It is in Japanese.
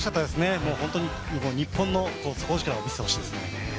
本当に日本の底力見せてほしいですね。